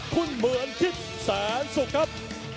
คุณเหมือนคิดแสนสุขครับ